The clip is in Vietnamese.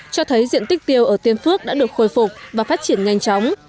cho thấy diện tích tiêu ở tiên phước đã được khôi phục và phát triển nhanh chóng